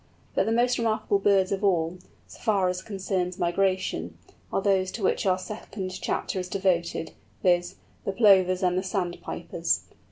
But the most remarkable birds of all, so far as concerns migration, are those to which our second chapter is devoted, viz., the Plovers and the Sandpipers.